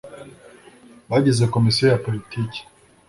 bagize komisiyo ya poritiki,